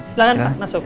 silahkan pak masuk